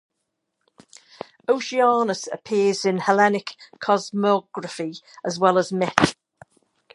Oceanus appears in Hellenic cosmography as well as myth.